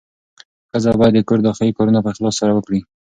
ښځه باید د کور داخلي کارونه په اخلاص سره وکړي.